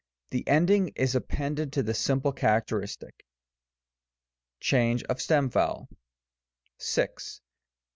The ending is appended to the simple charac teristic. CHANGE OF THE STEM VOWEL. 6.